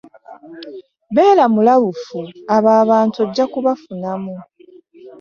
Beera mulabufu abo abantu ojja kubafunamu.